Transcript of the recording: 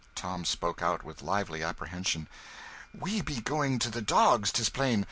Tom spoke out, with lively apprehension "We be going to the dogs, 'tis plain.